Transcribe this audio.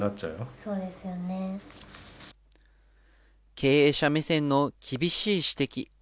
経営者目線の厳しい指摘。